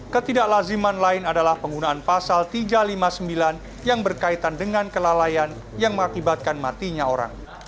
ketidaklaziman lain adalah penggunaan pasal tiga ratus lima puluh sembilan yang berkaitan dengan kelalaian yang mengakibatkan matinya orang